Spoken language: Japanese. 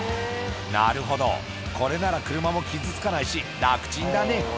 なるほど、これなら車も傷つかないし、楽ちんだね。